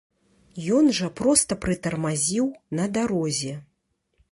Ён жа проста прытармазіў на дарозе.